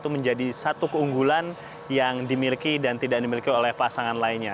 menjadi satu keunggulan yang dimiliki dan tidak dimiliki oleh pasangan lainnya